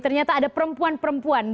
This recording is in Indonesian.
ternyata ada perempuan perempuan